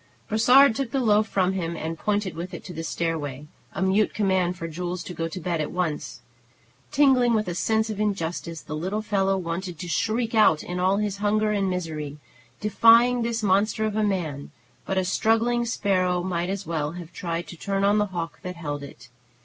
Brossard took the loaf from him, and pointed with it to the stairway, a mute command for Jules to go to bed at once. Tingling with a sense of injustice, the little fellow wanted to shriek out in all his hunger and misery, defying this monster of a man; but a struggling sparrow might as well have tried to turn on the hawk that held it.